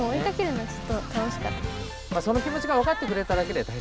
その気持ちがわかってくれただけで大成功かな。